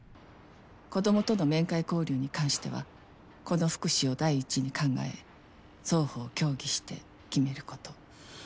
「子どもとの面会交流に関しては子の福祉を第一に考え双方協議して決めること」